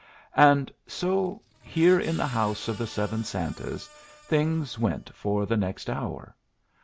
And so, here in the House of the Seven Santas, things went for the next hour.